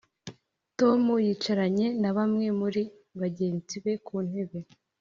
tom yicaranye na bamwe muri bagenzi be ku ntebe.